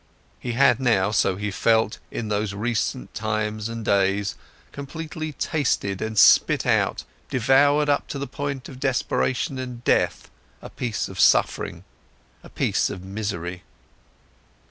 He had now, so he felt, in these recent times and days, completely tasted and spit out, devoured up to the point of desperation and death, a piece of suffering, a piece of misery.